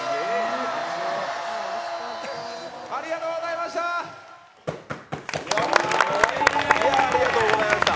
いや、ありがとうございました。